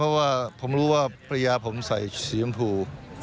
เพราะว่าผมรู้ว่าภรรยาผมใส่สีชมพู